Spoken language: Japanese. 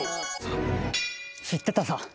「知ってたさ」